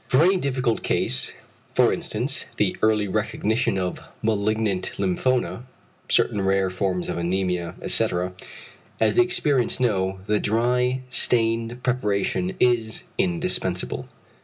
For any difficult case (for instance the early recognition of malignant lymphoma, certain rare forms of anæmia, etc.) as the experienced know, the dry stained preparation is indispensable.